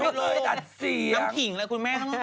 เติ๊มบะเนยดัดเสียงน้องผิงเลยคุณแม่